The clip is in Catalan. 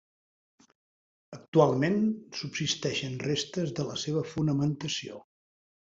Actualment subsisteixen restes de la seva fonamentació.